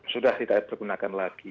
sudah tidak digunakan lagi